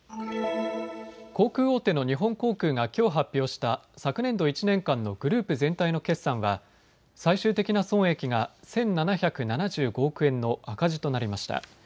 航空大手の日本航空がきょう発表した昨年度１年間のグループ全体の決算は最終的な損益が１７７５億円の赤字となりました。